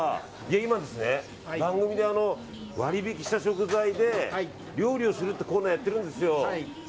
今、番組で割引した食材で料理をするコーナーをやっているんですよ。